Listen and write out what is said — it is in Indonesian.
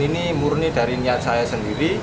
ini murni dari niat saya sendiri